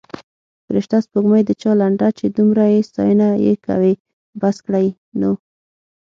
فرسته سپوړمۍ د چا لنډه چې دمره یې ستاینه یې کوي بس کړﺉ نو